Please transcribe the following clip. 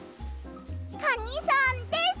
カニさんです！